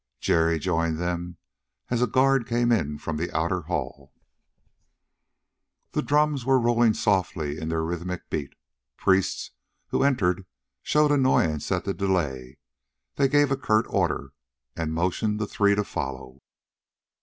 Jerry joined them as a guard came in from the outer hall. The drums were rolling softly in their rhythmic beat. The priests who entered showed annoyance at the delay; they gave a curt order, and motioned the three to follow.